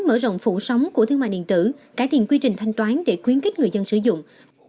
mở rộng phủ sống của thương mại điện tử cải thiện quy trình thanh toán để quyến kích người dân sử dụng